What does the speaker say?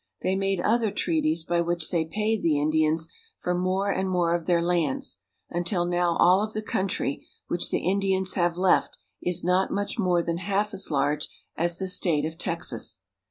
They made other treaties by which they paid the Indi ans for more and more of their lands, until now all of the country which the Indians have left is not much more than half as large as the state of Texas.